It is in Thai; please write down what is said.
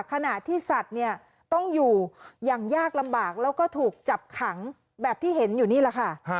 ขณะที่สัตว์เนี่ยต้องอยู่อย่างยากลำบากแล้วก็ถูกจับขังแบบที่เห็นอยู่นี่แหละค่ะ